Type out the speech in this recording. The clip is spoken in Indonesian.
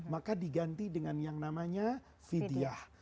maka diganti dengan yang namanya vidyah